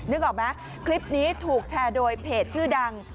นึกออกไหมคลิปนี้ถูกแชร์โดยเพจชื่อดัง